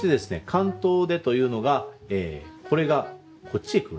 関東手というのがこれがこっちへ来るんですね。